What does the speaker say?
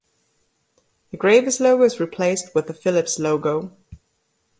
The Gravis logo is replaced with the Philips logo.